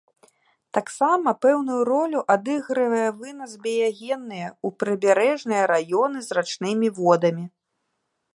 Таксама, пэўную ролю адыгрывае вынас біягенныя ў прыбярэжныя раёны з рачнымі водамі.